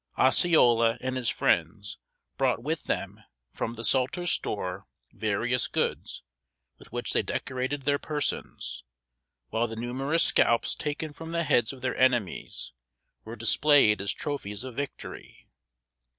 Osceola and his friends brought with them from the sutler's store various goods, with which they decorated their persons; while the numerous scalps taken from the heads of their enemies, were displayed as trophies of victory.